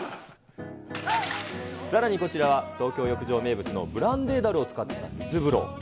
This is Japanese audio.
さらにこちらは東京浴場名物のブランデー樽を使った水風呂。